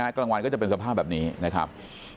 กลางวันก็จะเป็นสภาพแบบนี้นะครับ